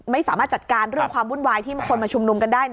ไม่สามารถจัดการเรื่องความวุ่นวายที่คนมาชุมนุมกันได้